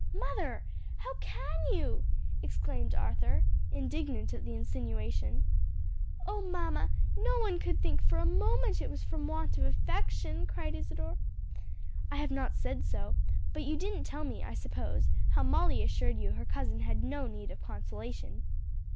"Mother, how can you!" exclaimed Arthur, indignant at the insinuation. "O mamma, no one could think for a moment it was from want of affection!" cried Isadore. "I have not said so; but you didn't tell me, I suppose, how Molly assured you her cousin had no need of consolation?"